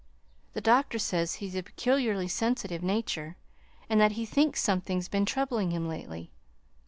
The doctor says he's a peculiarly sensitive nature, and that he thinks something's been troubling him lately."